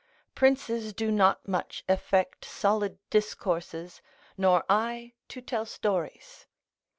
Princes do not much affect solid discourses, nor I to tell stories.